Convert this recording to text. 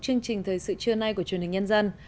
chương trình thời sự trưa nay của truyền hình nhân dân